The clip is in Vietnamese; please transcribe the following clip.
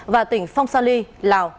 và tỉnh phong sa ly lào